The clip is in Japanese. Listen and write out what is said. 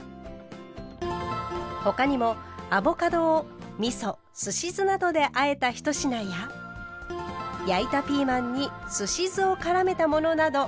他にもアボカドをみそすし酢などであえた一品や焼いたピーマンにすし酢をからめたものなど。